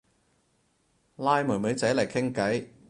拉妹妹仔嚟傾偈